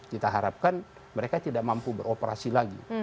kita harapkan mereka tidak mampu beroperasi lagi